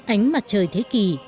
ánh mặt trời thế kỷ